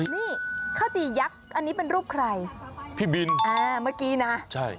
นี่ข้าวจี่ยักษ์อันนี้เป็นรูปใครพี่บินอ่าเมื่อกี้นะใช่